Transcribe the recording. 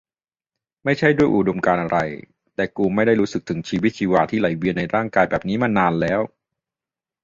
ไม่ใช่ด้วยอุดมการณ์อะไร แต่กูไม่ได้รู้สึกถึงชีวิตชีวาที่ไหลเวียนในร่างกายแบบนี้มานานแล้ว